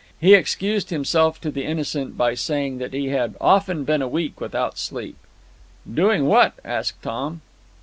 He excused himself to the Innocent by saying that he had "often been a week without sleep." "Doing what?" asked Tom.